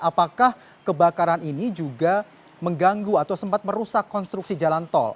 apakah kebakaran ini juga mengganggu atau sempat merusak konstruksi jalan tol